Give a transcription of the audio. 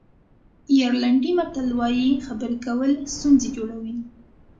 آیرلېنډي متل وایي خبرې کول ستونزې جوړوي.